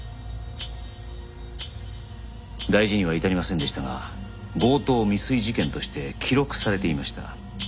大事には至りませんでしたが強盗未遂事件として記録されていました。